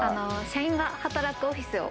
社員が働くオフィスを。